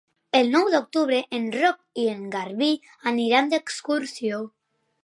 El nou d'octubre en Roc i en Garbí aniran d'excursió.